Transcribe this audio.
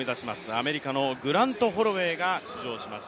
アメリカのグラント・ホロウェイが出場します。